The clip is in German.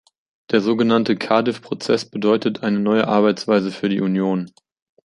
Der so genannte Cardiff-Prozess bedeutet eine neue Arbeitsweise für die Union.